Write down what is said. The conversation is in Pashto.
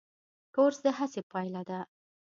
کورس د هڅې پایله ده.